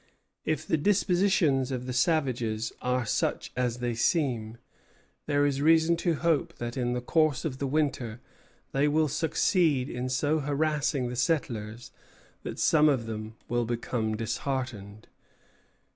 If the dispositions of the savages are such as they seem, there is reason to hope that in the course of the winter they will succeed in so harassing the settlers that some of them will become disheartened."